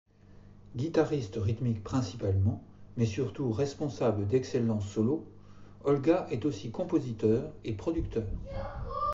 Guitariste rythmique principalement, mais surtout responsable d'excellents solos, Olga est aussi compositeur et producteur.